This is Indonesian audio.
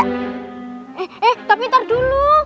eh eh tapi ntar dulu